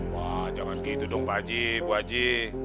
wah jangan gitu dong pak haji bu haji